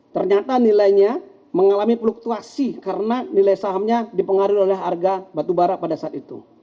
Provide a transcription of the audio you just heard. ternyata nilainya mengalami fluktuasi karena nilai sahamnya dipengaruhi oleh harga batubara pada saat itu